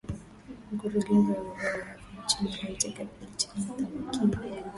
mkurugenzi wa wizara ya afya nchini haiti gabriel timoth amekiri